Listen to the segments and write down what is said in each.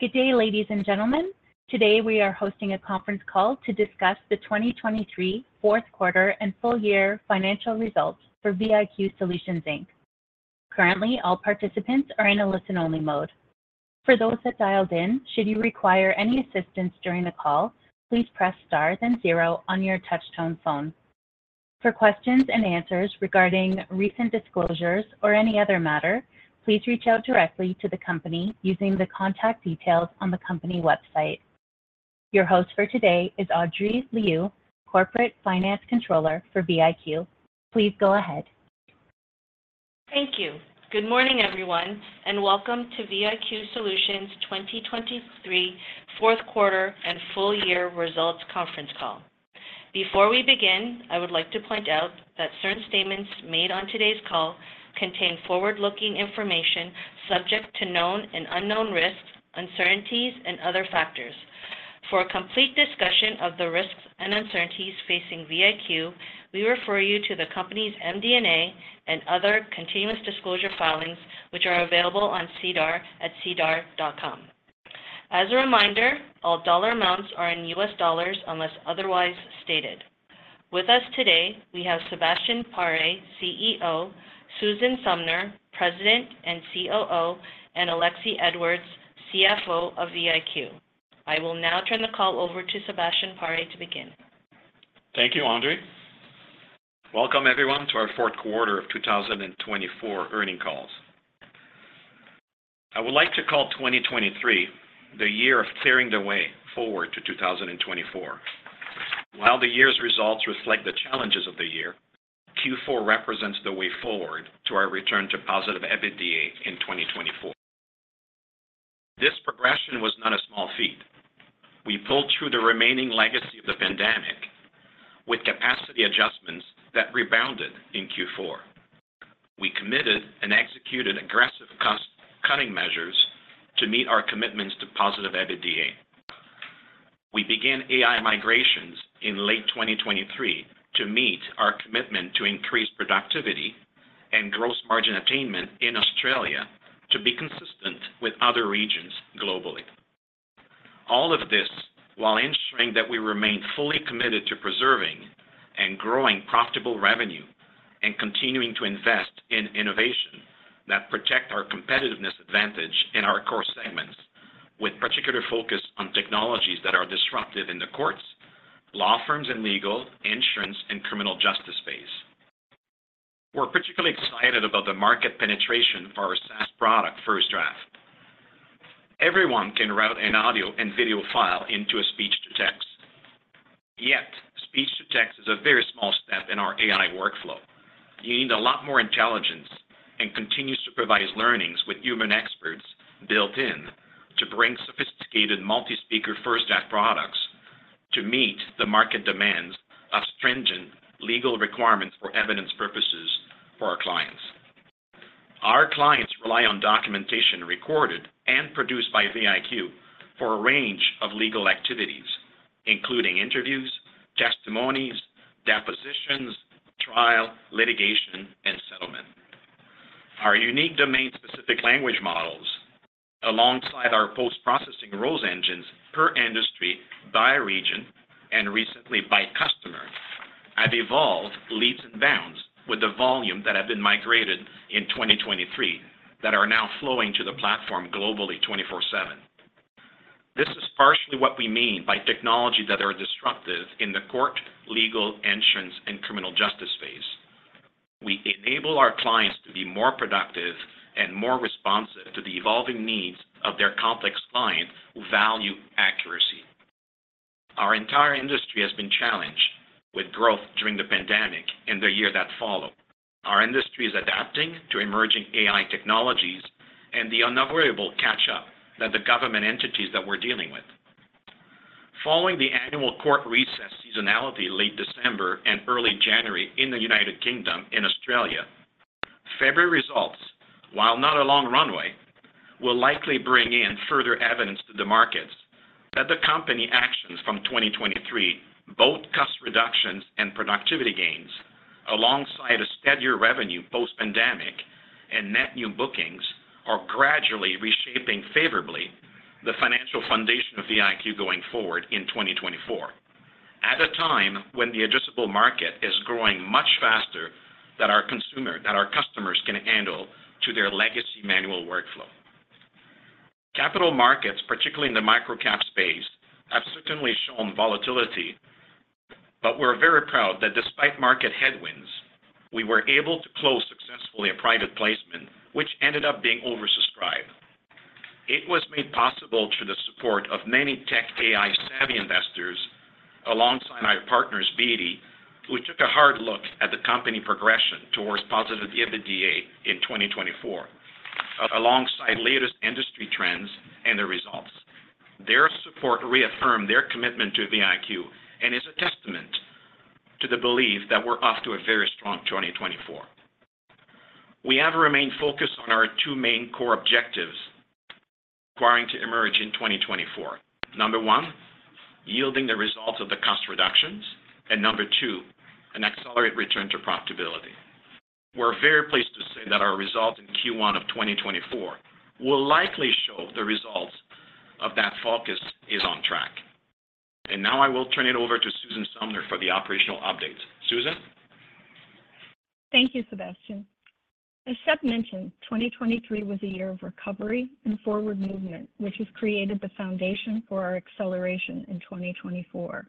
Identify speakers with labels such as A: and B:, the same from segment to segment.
A: Good day, ladies and gentlemen. Today we are hosting a conference call to discuss the 2023 Fourth Quarter and Full-year Financial Results for VIQ Solutions Inc. Currently, all participants are in a listen-only mode. For those that dialed in, should you require any assistance during the call, please press star then 0 on your touch-tone phone. For questions and answers regarding recent disclosures or any other matter, please reach out directly to the company using the contact details on the company website. Your host for today is Audrey Liu, Corporate Finance Controller for VIQ. Please go ahead
B: Thank you. Good morning, everyone, and welcome to VIQ Solutions' 2023 fourth quarter and full-year results conference call. Before we begin, I would like to point out that certain statements made on today's call contain forward-looking information subject to known and unknown risks, uncertainties, and other factors. For a complete discussion of the risks and uncertainties facing VIQ, we refer you to the company's MD&A and other continuous disclosure filings, which are available on SEDAR at sedar.com. As a reminder, all dollar amounts are in US dollars unless otherwise stated. With us today, we have Sebastien Paré, CEO; Susan Sumner, President and COO; and Alexie Edwards, CFO of VIQ. I will now turn the call over to Sebastien Paré to begin.
C: Thank you, Audrey. Welcome, everyone, to our fourth quarter of 2024 earnings calls. I would like to call 2023 the year of clearing the way forward to 2024. While the year's results reflect the challenges of the year, Q4 represents the way forward to our return to positive EBITDA in 2024. This progression was not a small feat. We pulled through the remaining legacy of the pandemic with capacity adjustments that rebounded in Q4. We committed and executed aggressive cost cutting measures to meet our commitments to positive EBITDA. We began AI migrations in late 2023 to meet our commitment to increase productivity and gross margin attainment in Australia to be consistent with other regions globally. All of this while ensuring that we remain fully committed to preserving and growing profitable revenue and continuing to invest in innovation that protect our competitive advantage in our core segments, with particular focus on technologies that are disruptive in the courts, law firms, and legal, insurance, and criminal justice space. We're particularly excited about the market penetration for our SaaS product FirstDraft. Everyone can route an audio and video file into a speech-to-text. Yet speech-to-text is a very small step in our AI workflow. You need a lot more intelligence and continuous supervised learnings with human experts built in to bring sophisticated multi-speaker FirstDraft products to meet the market demands of stringent legal requirements for evidence purposes for our clients. Our clients rely on documentation recorded and produced by VIQ for a range of legal activities, including interviews, testimonies, depositions, trial, litigation, and settlement. Our unique domain-specific language models, alongside our post-processing rules engines per industry, by region, and recently by customer, have evolved leaps and bounds with the volume that have been migrated in 2023 that are now flowing to the platform globally 24/7. This is partially what we mean by technology that are disruptive in the court, legal, enterprise, and criminal justice space. We enable our clients to be more productive and more responsive to the evolving needs of their complex client who value accuracy. Our entire industry has been challenged with growth during the pandemic and the year that followed. Our industry is adapting to emerging AI technologies and the inevitable catch-up that the government entities that we're dealing with. Following the annual court recess seasonality late December and early January in the United Kingdom and Australia, February results, while not a long runway, will likely bring in further evidence to the markets that the company actions from 2023, both cost reductions and productivity gains, alongside a steadier revenue post-pandemic and net new bookings, are gradually reshaping favorably the financial foundation of VIQ going forward in 2024, at a time when the addressable market is growing much faster than our consumers can handle to their legacy manual workflow. Capital markets, particularly in the microcap space, have certainly shown volatility, but we're very proud that despite market headwinds, we were able to close successfully a private placement which ended up being oversubscribed. It was made possible through the support of many tech AI-savvy investors alongside our partners Beedie, who took a hard look at the company progression towards positive EBITDA in 2024, alongside latest industry trends and the results. Their support reaffirmed their commitment to VIQ and is a testament to the belief that we're off to a very strong 2024. We have remained focused on our two main core objectives requiring to emerge in 2024. Number one, yielding the results of the cost reductions, and number two, an accelerate return to profitability. We're very pleased to say that our result in Q1 of 2024 will likely show the results of that focus is on track. Now I will turn it over to Susan Sumner for the operational updates. Susan?
D: Thank you, Sebastien. As Seb mentioned, 2023 was a year of recovery and forward movement, which has created the foundation for our acceleration in 2024.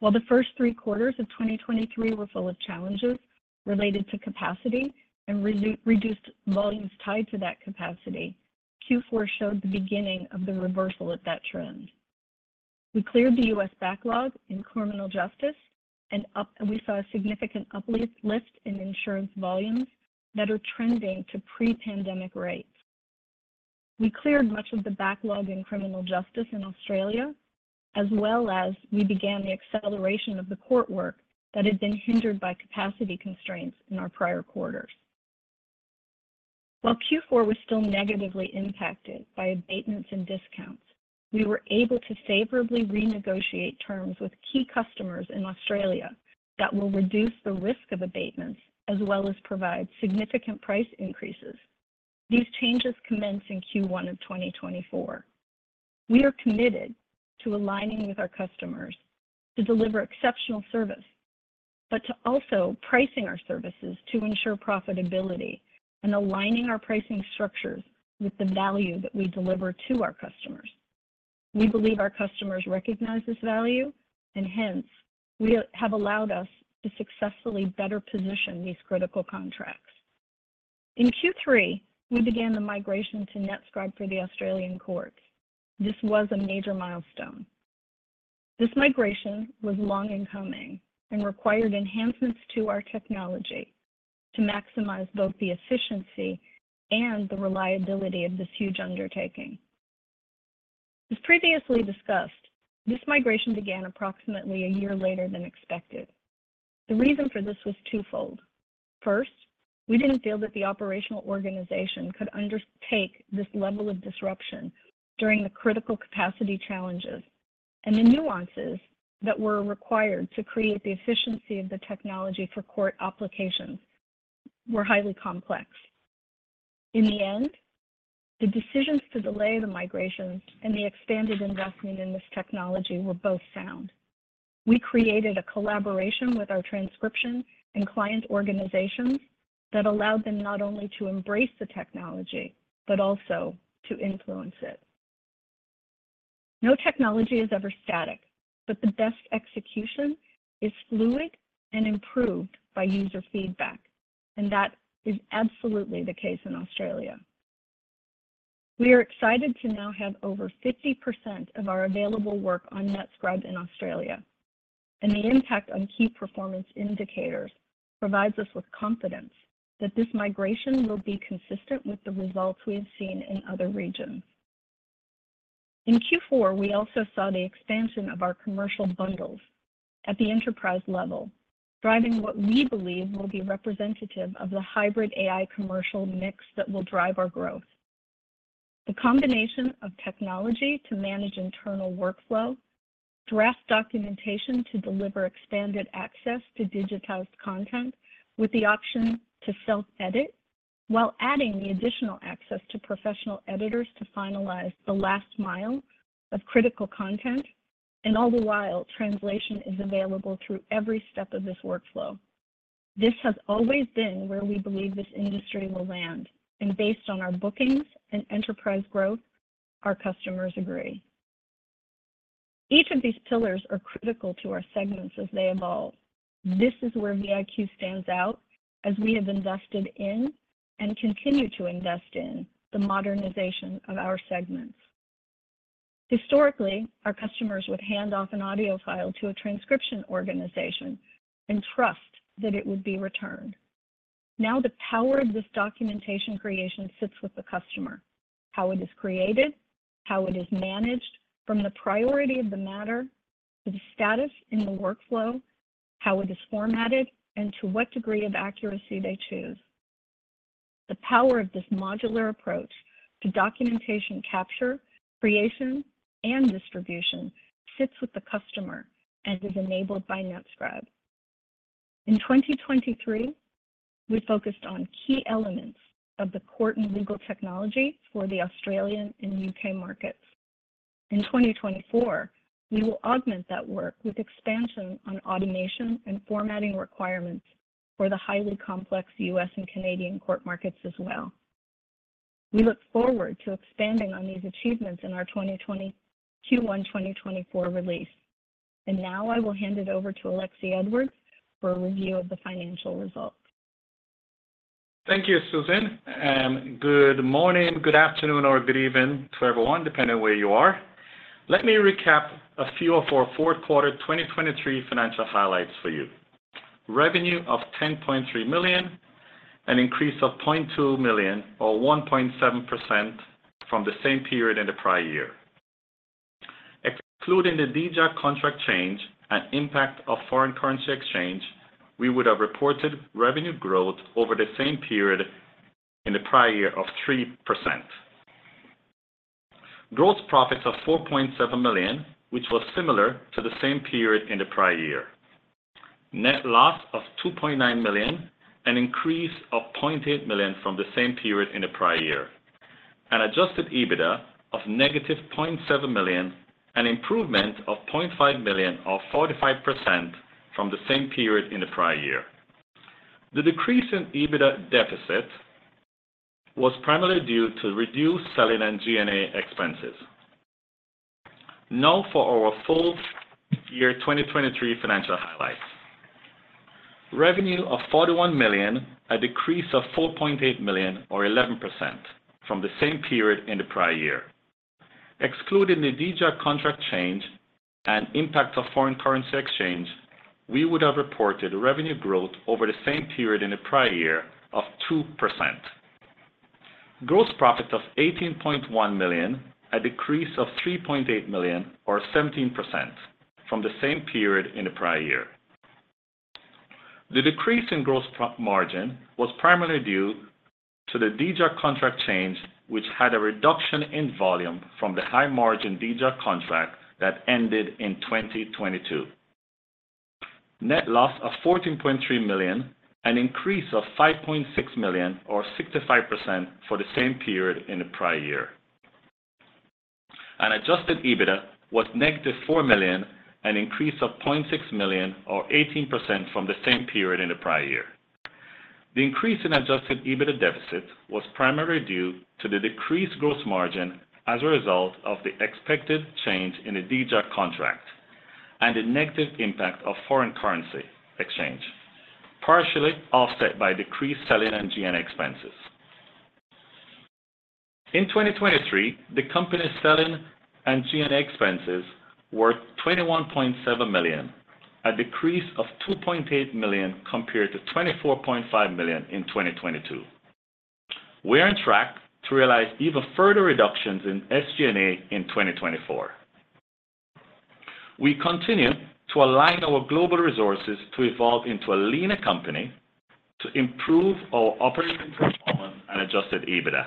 D: While the first three quarters of 2023 were full of challenges related to capacity and reduced volumes tied to that capacity, Q4 showed the beginning of the reversal of that trend. We cleared the U.S. backlog in criminal justice, and we saw a significant uplift in insurance volumes that are trending to pre-pandemic rates. We cleared much of the backlog in criminal justice in Australia, as well as we began the acceleration of the court work that had been hindered by capacity constraints in our prior quarters. While Q4 was still negatively impacted by abatements and discounts, we were able to favorably renegotiate terms with key customers in Australia that will reduce the risk of abatements as well as provide significant price increases. These changes commence in Q1 of 2024. We are committed to aligning with our customers to deliver exceptional service, but to also pricing our services to ensure profitability and aligning our pricing structures with the value that we deliver to our customers. We believe our customers recognize this value, and hence, we have allowed us to successfully better position these critical contracts. In Q3, we began the migration to NetScribe for the Australian courts. This was a major milestone. This migration was long-in-coming and required enhancements to our technology to maximize both the efficiency and the reliability of this huge undertaking. As previously discussed, this migration began approximately a year later than expected. The reason for this was twofold. First, we didn't feel that the operational organization could undertake this level of disruption during the critical capacity challenges, and the nuances that were required to create the efficiency of the technology for court applications were highly complex. In the end, the decisions to delay the migrations and the expanded investment in this technology were both sound. We created a collaboration with our transcription and client organizations that allowed them not only to embrace the technology but also to influence it. No technology is ever static, but the best execution is fluid and improved by user feedback, and that is absolutely the case in Australia. We are excited to now have over 50% of our available work on NetScribe in Australia, and the impact on key performance indicators provides us with confidence that this migration will be consistent with the results we have seen in other regions. In Q4, we also saw the expansion of our commercial bundles at the enterprise level, driving what we believe will be representative of the hybrid AI commercial mix that will drive our growth. The combination of technology to manage internal workflow, draft documentation to deliver expanded access to digitized content with the option to self-edit, while adding the additional access to professional editors to finalize the last mile of critical content, and all the while, translation is available through every step of this workflow. This has always been where we believe this industry will land, and based on our bookings and enterprise growth, our customers agree. Each of these pillars is critical to our segments as they evolve. This is where VIQ stands out as we have invested in and continue to invest in the modernization of our segments. Historically, our customers would hand off an audio file to a transcription organization and trust that it would be returned. Now, the power of this documentation creation sits with the customer: how it is created, how it is managed, from the priority of the matter to the status in the workflow, how it is formatted, and to what degree of accuracy they choose. The power of this modular approach to documentation capture, creation, and distribution sits with the customer and is enabled by NetScribe. In 2023, we focused on key elements of the court and legal technology for the Australian and U.K. markets. In 2024, we will augment that work with expansion on automation and formatting requirements for the highly complex U.S. and Canadian court markets as well. We look forward to expanding on these achievements in our Q1 2024 release. Now I will hand it over to Alexie Edwards for a review of the financial results.
E: Thank you, Susan. Good morning, good afternoon, or good evening to everyone, depending on where you are. Let me recap a few of our fourth quarter 2023 financial highlights for you: revenue of $10.3 million, an increase of $0.2 million, or 1.7% from the same period in the prior year. Excluding the DJAG contract change and impact of foreign currency exchange, we would have reported revenue growth over the same period in the prior year of 3%. Growth profits of $4.7 million, which was similar to the same period in the prior year. Net loss of $2.9 million, an increase of $0.8 million from the same period in the prior year. An adjusted EBITDA of -$0.7 million, an improvement of $0.5 million, or 45% from the same period in the prior year. The decrease in EBITDA deficit was primarily due to reduced selling and G&A expenses. Now for our full year 2023 financial highlights: revenue of $41 million, a decrease of $4.8 million, or 11% from the same period in the prior year. Excluding the DJAG contract change and impact of foreign currency exchange, we would have reported revenue growth over the same period in the prior year of 2%. Gross profits of $18.1 million, a decrease of $3.8 million, or 17% from the same period in the prior year. The decrease in gross margin was primarily due to the DJAG contract change, which had a reduction in volume from the high-margin DJAG contract that ended in 2022. Net loss of $14.3 million, an increase of $5.6 million, or 65% for the same period in the prior year. An Adjusted EBITDA was negative $4 million, an increase of $0.6 million, or 18% from the same period in the prior year. The increase in adjusted EBITDA deficit was primarily due to the decreased gross margin as a result of the expected change in the DJAG contract and the negative impact of foreign currency exchange, partially offset by decreased selling and G&A expenses. In 2023, the company's selling and G&A expenses were $21.7 million, a decrease of $2.8 million compared to $24.5 million in 2022. We are on track to realize even further reductions in SG&A in 2024. We continue to align our global resources to evolve into a leaner company to improve our operating performance and adjusted EBITDA.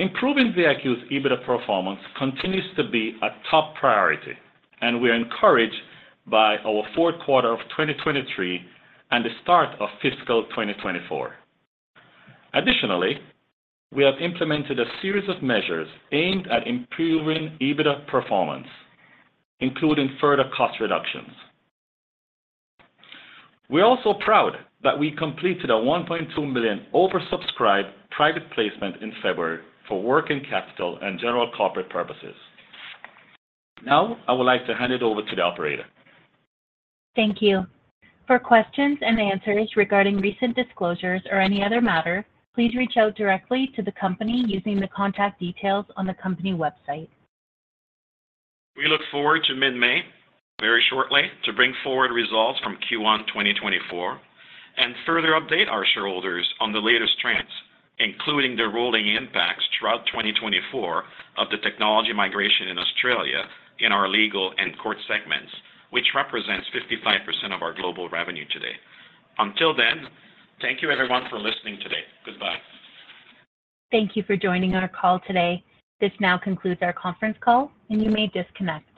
E: Improving VIQ's EBITDA performance continues to be a top priority, and we are encouraged by our fourth quarter of 2023 and the start of fiscal 2024. Additionally, we have implemented a series of measures aimed at improving EBITDA performance, including further cost reductions. We're also proud that we completed a $1.2 million oversubscribed private placement in February for working capital and general corporate purposes. Now, I would like to hand it over to the operator.
A: Thank you. For questions and answers regarding recent disclosures or any other matter, please reach out directly to the company using the contact details on the company website.
C: We look forward to mid-May, very shortly, to bring forward results from Q1 2024 and further update our shareholders on the latest trends, including the rolling impacts throughout 2024 of the technology migration in Australia in our legal and court segments, which represents 55% of our global revenue today. Until then, thank you, everyone, for listening today. Goodbye.
A: Thank you for joining our call today. This now concludes our conference call, and you may disconnect.